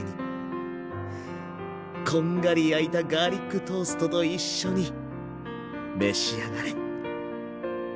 こんがり焼いたガーリックトーストと一緒に召し上がれ。